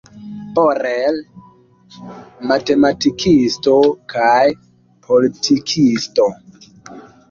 Borel, matematikisto kaj politikisto.